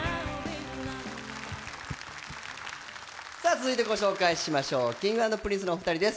続いてご紹介しましょう、Ｋｉｎｇ＆Ｐｒｉｎｃｅのお二人です。